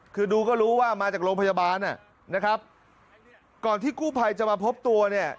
คือดูก็รู้ว่ามาจากโรงพยาบาลนะครับก่อนที่กู้ภัยจะมาพบตัวเนี่ย